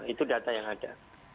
itu data yang ada